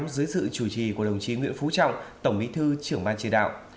dưới sự chủ trì của đồng chí nguyễn phú trọng tổng bí thư trưởng ban chỉ đạo